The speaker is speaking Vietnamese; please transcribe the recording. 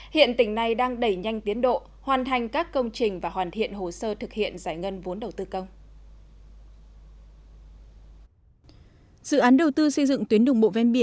hiện tỉnh này đang đẩy nhanh tiến độ hoàn thành các công trình và hoàn thiện hồ sơ thực hiện giải ngân vốn đầu tư công